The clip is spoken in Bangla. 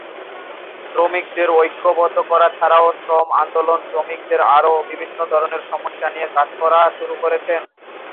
শ্রমিকদের ঐক্যবদ্ধ করা ছাড়াও শ্রম আন্দোলন শ্রমিকদের আরও বিভিন্ন ধরনের সমস্যা নিয়ে কাজ করা শুরু করেছে।